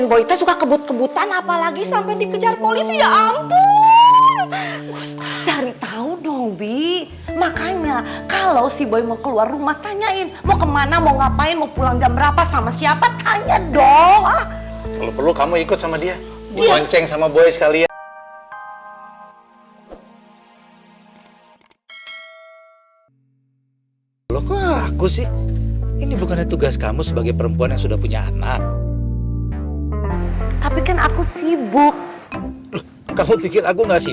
bibae figurant di rcti